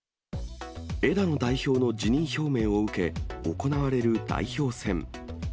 枝野代表の辞任表明を受け、行われる代表選。